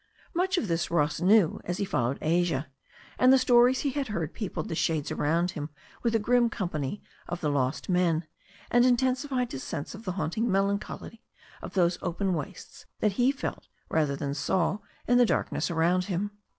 Much of this Ross knew as he followed Asia, and the stories he had heard peopled the shades around him with a grim company of the lost men, and intensified his sense of the haunting melancholy of those open wastes that he felt rather than saw in the darkness around him.